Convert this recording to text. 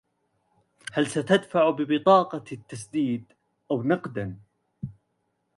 هل ستدفع ببطاقة التسديد أو نقدا؟